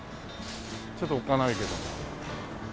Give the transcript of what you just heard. ちょっとおっかないけど。